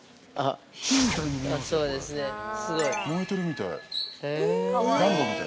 ◆燃えてるみたい。